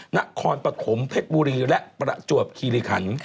นครปฐมเพชรบุรีและประจวบคีริขัน